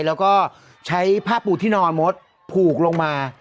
แล้วก็ใช้ผ้าปูที่นอนมดผูกลงมา